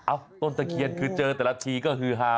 ต้นตะเคียนคือเจอแต่ละทีก็คือฮา